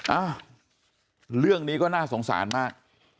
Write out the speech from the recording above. อ้าวเรื่องนี้ก็น่าสงสารมาก